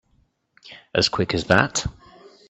As quick as that?